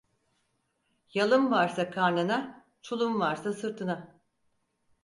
Yalın varsa karnına, çulun varsa sırtına.